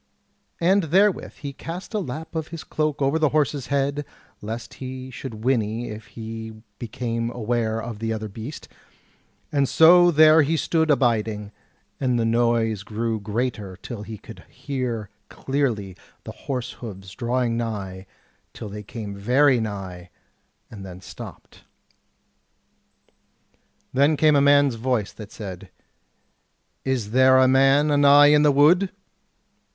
And therewith he cast a lap of his cloak over the horse's head, lest he should whinny if he became aware of the other beast; and so there he stood abiding, and the noise grew greater till he could hear clearly the horse hoofs drawing nigh, till they came very nigh, and then stopped. Then came a man's voice that said: "Is there a man anigh in the wood?"